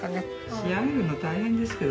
仕上げるの大変ですけどね。